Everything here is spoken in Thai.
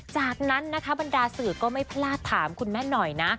จากนั้นนะคะบรรดาสื่อก็ไม่พลาดถามคุณแม่หน่อยนะ